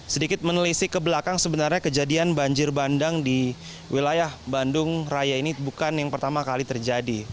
sedikit menelisik ke belakang sebenarnya kejadian banjir bandang di wilayah bandung raya ini bukan yang pertama kali terjadi